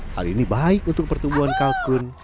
hal ini baik untuk pertumbuhan kalkun